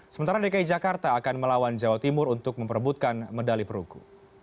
sementara dki jakarta akan melawan jawa timur untuk memperebutkan medali peruku